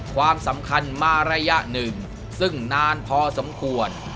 ความสำคัญมาระยะหนึ่งซึ่งนานพอสมควร